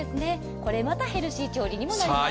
これまたヘルシー調理にもなります。